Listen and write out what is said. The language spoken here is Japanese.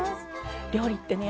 料理ってね